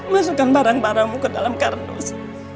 masukkan barang baramu ke dalam karnus